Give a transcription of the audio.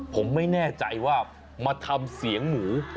ผมไม่แน่ใจว่ามาทำเสียงหมู